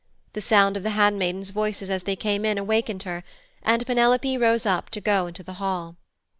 The sound of the handmaidens' voices as they came in awakened her, and Penelope rose up to go into the hall.